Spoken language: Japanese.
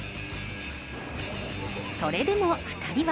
それでも２人は。